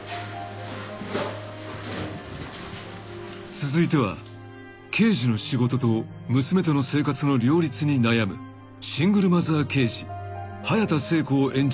［続いては刑事の仕事と娘との生活の両立に悩むシングルマザー刑事］